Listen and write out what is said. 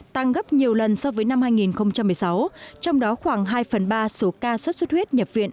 tăng gấp nhiều lần so với năm hai nghìn một mươi sáu trong đó khoảng hai phần ba số ca xuất xuất huyết nhập viện